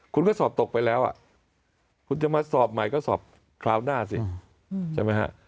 คุณก็สอบตกไปแล้วคุณจะมาสอบใหม่ก็สอบคราวหน้าสิใช่ไหมฮะ